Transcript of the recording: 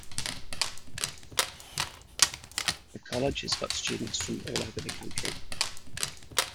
The College has got students from all over the country.